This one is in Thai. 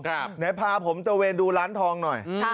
เดี๋ยวพาผมเจ้าเวนดูร้านทองหน่อย